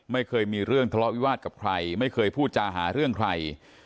ไม่เคยมีเรื่องทะเลาะวิวาสกับใครไม่เคยพูดจาหาเรื่องใคร